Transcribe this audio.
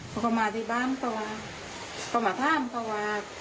เขาก็มาที่บ้านเขามาห้ามเขาว่า